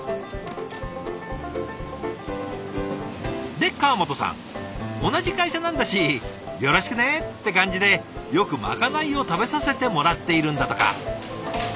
で川本さん「同じ会社なんだしよろしくね」って感じでよくまかないを食べさせてもらっているんだとか。